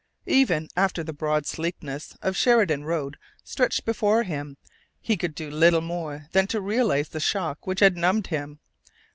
Even after the broad sleekness of Sheridan Road stretched before him he could do little more than try to realize the shock which had numbed him....